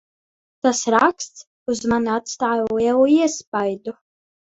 Tas raksts uz mani atstāja lielu iespaidu.